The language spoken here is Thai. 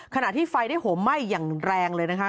ขณะที่ไฟได้โหมไหม้อย่างแรงเลยนะคะ